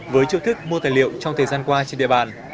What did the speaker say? với chiêu thức mua tài liệu trong thời gian qua trên địa bàn